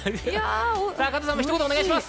加藤さんもひと言お願いします。